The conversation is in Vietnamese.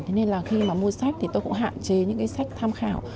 thế nên là khi mà mua sách thì tôi cũng hạn chế những cái sách tham khảo